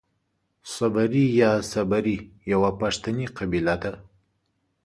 صبري يا سبري يوۀ پښتني قبيله ده.